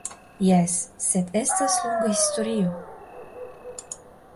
Jes, sed estas longa historio